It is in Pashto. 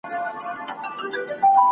هغې د خلکو په وړاندې جرئت وښود.